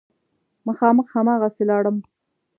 مخامخ هماغسې لاړم.